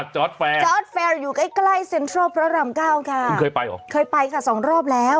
จอร์ดแฟร์จอร์ดแฟร์อยู่ใกล้เซ็นทรัลพระรำเก้าค่ะเคยไปค่ะ๒รอบแล้ว